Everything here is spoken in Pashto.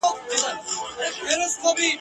زما د سر امان دي وي لویه واکمنه ,